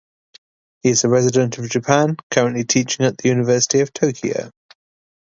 He is a resident of Japan, currently teaching at the University of Tokyo.